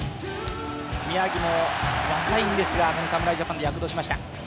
宮城も若いんですが、この侍ジャパンで躍動しました。